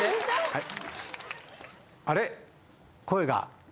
はい。